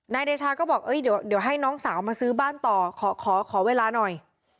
เดชาก็บอกเดี๋ยวให้น้องสาวมาซื้อบ้านต่อขอเวลาหน่อย